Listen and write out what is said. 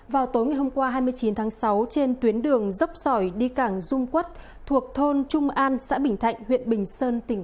vào tối ngày hôm qua hai mươi chín tháng sáu trên tuyến đường dốc sỏi đi cảng dung quất thuộc thôn trung an xã bình thạnh huyện bình sơn